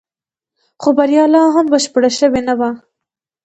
خو بريا لا هم بشپړه شوې نه وه.